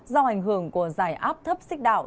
do ảnh hưởng của giải áp thấp xích đạo